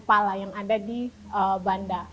kepala yang ada di banda